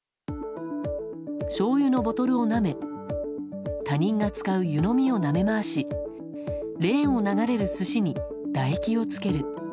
しょうゆのボトルをなめ他人が使う湯飲みをなめ回しレーンを流れる寿司に唾液をつける。